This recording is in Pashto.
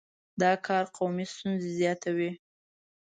دا کار قومي ستونزې زیاتوي.